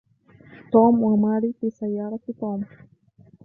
توم وماري في سيارة توم.